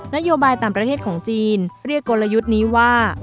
นโยบายต่างประเทศของจีนเรียกกลยุทธ์นี้ว่า